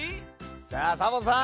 さあサボさん